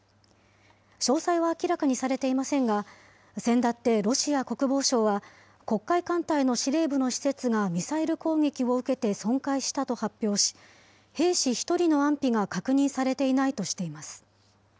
詳細は明らかにされていませんが、先だってロシア国防省は、黒海艦隊の司令部の施設がミサイル攻撃を受けて損壊したと発表し、兵士１人の安否が確認されていないとしています。